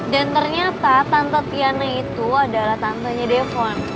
dan ternyata tante tiana itu adalah tantenya depon